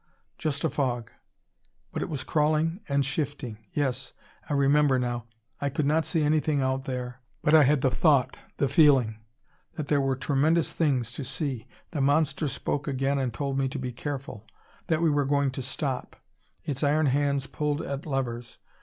Just a fog. But it was crawling and shifting. Yes! I remember now I could not see anything out there, but I had the thought, the feeling, that there were tremendous things to see! The monster spoke again and told me to be careful; that we were going to stop. Its iron hands pulled at levers.